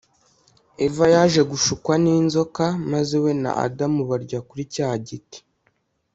Eva yaje gushukwa n’inzoka maze we na Adam barya kuri cya giti